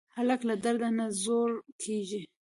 هلک له درده نه زړور کېږي.